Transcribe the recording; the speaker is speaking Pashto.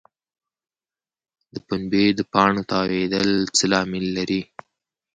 د پنبې د پاڼو تاویدل څه لامل لري؟